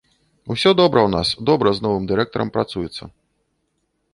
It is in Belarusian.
Усё добра ў нас, добра з новым дырэктарам працуецца.